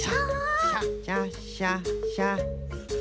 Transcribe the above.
シャシャッシャッシャッ。